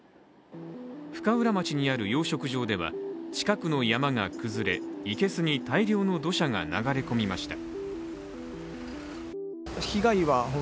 深浦町にある養殖場では近くの山が崩れ生けすに大量の土砂が流れ込みました。